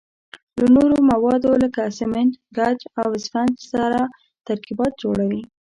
له نورو موادو لکه سمنټ، ګچ او اسفنج سره ترکیبات جوړوي.